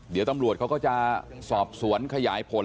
เดี๋ยวตำรวจเขาก็จะสอบสวนขยายผล